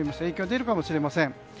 影響が出るかもしれません。